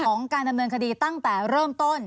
ของการดำเนินคดีตั้งแต่เริ่มต้น